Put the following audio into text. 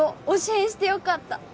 変してよかった！